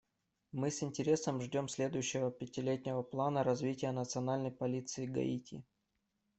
Мы с интересом ждем следующего пятилетнего плана развития Национальной полиции Гаити.